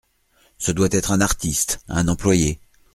Ce doit être un artiste, un employé !